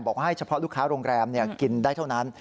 บอกว่าให้เฉพาะลูกค้าโรงแรมกินได้เท่านั้น